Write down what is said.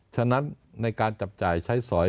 ฉะนั้นในการจับจ่ายใช้สอย